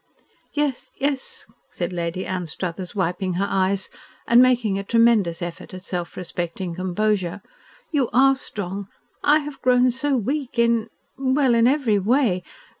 "Yes! Yes!" said Lady Anstruthers, wiping her eyes, and making a tremendous effort at self respecting composure. "You are strong. I have grown so weak in well, in every way.